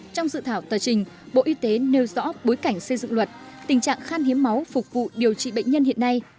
trong dự thảo tờ trình bộ y tế nêu rõ bối cảnh xây dựng luật tình trạng khan hiếm máu phục vụ điều trị bệnh nhân hiện nay